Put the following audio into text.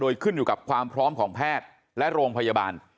โดยขึ้นอยู่กับความพร้อมของแพทย์และโรงพยาบาล